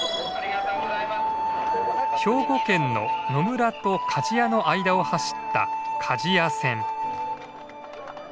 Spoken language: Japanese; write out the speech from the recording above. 兵庫県の野村と鍛冶屋の間を走った鍛冶屋線。